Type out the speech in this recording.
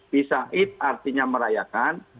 bisa it artinya merayakan